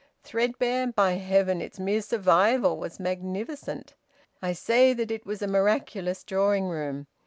Threadbare? By heaven, its mere survival was magnificent! I say that it was a miraculous drawing room.